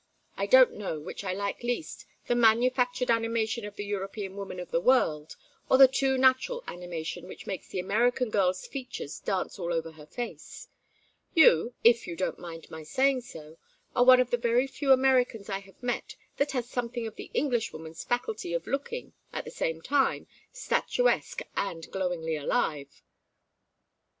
I don't know which I like least, the manufactured animation of the European woman of the world, or the too natural animation which makes the American girl's features dance all over her face. You, if you don't mind my saying so, are one of the very few Americans I have met that has something of the Englishwoman's faculty of looking, at the same time, statuesque and glowingly alive."